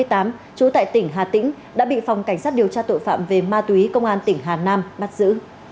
trú tại tỉnh hà tĩnh đã bị phòng cảnh sát điều tra tội phạm về ma túy công an tỉnh hà nam bắt giữ